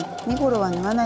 はい。